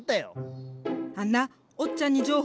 あんなおっちゃんに情報やで。